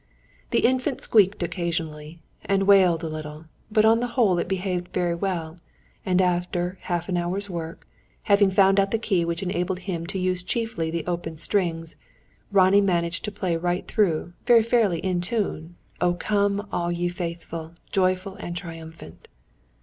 The Infant squeaked occasionally, and wailed a little; but on the whole it behaved very well; and, after half an hour's work, having found out the key which enabled him to use chiefly the open strings, Ronnie managed to play right through, very fairly in tune, "O come, all ye faithful, joyful and triumphant!"